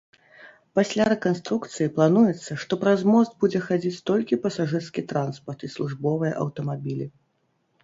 Пасля рэканструкцыі плануецца, што праз мост будзе хадзіць толькі пасажырскі транспарт і службовыя аўтамабілі.